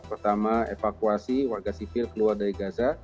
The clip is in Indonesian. pertama evakuasi warga sipil keluar dari gaza